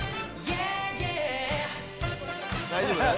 大丈夫？